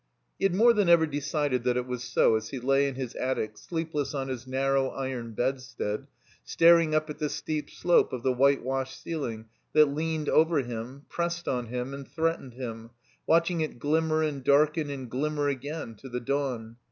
He had more than ever decided that it was so, as he lay in his attic sleepless on his narrow iron bed stead, staring up at the steep slope of the white washed ceiling that leaned over him, pressed on him, and threatened him ; watching it ghmmer and darken and glimmer again to the dawn.